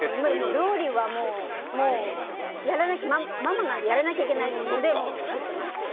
料理は、もうママなんでやらなきゃいけないので作ってますね。